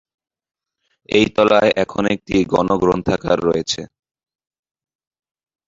এই তলায় এখন একটি গণ গ্রন্থাগার রয়েছে।